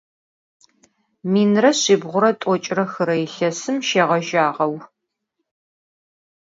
Minre şsibğure t'oç're xıre yilhesım şşêğejağeu.